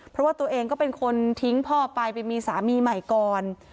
เพราะว่าตัวเองก็เป็นคนทิ้งพ่อไปไปมีสามีใหม่ก่อน